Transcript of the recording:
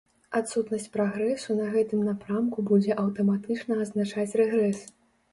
Адсутнасць прагрэсу на гэтым напрамку будзе аўтаматычна азначаць рэгрэс.